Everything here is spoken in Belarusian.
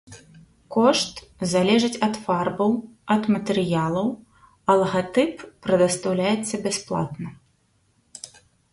Кошт залежыць ад фарбаў, ад матэрыялаў, а лагатып прадастаўляецца бясплатна.